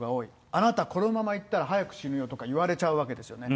あなた、このままいったら早く死ぬよとか言われちゃうわけですよね。